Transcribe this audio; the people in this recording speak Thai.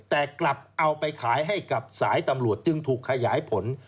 แต่กลับเอาไปขายให้กับสายตำรวจจึงถูกขยายผล